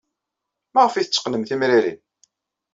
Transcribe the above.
Maɣef ay tetteqqnem timrinin?